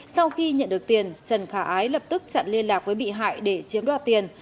sau khi nhận được tiền trần khả ái lập tức chặn liên lạc với bị hại để chiếm đoạt tiền